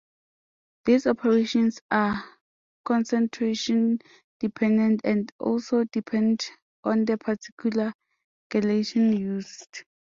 These operations are concentration-dependent and also dependent on the particular gelatin used.